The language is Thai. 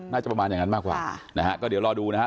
น่าจะประมาณอย่างนั้นมากกว่านะฮะก็เดี๋ยวรอดูนะฮะ